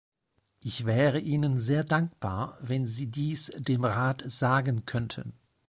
Ich wäre Ihnen sehr dankbar, wenn Sie dies dem Rat sagen könnten.